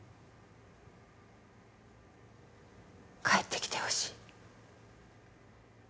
帰ってきてほしい。